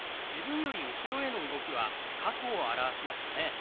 自分より後ろへの動きは過去を表しましたね。